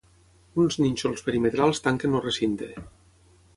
Uns nínxols perimetrals tanquen el recinte.